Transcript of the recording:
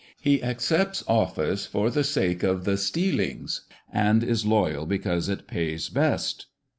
He accepts office for the sake of the stealings, and is loyal because it pays best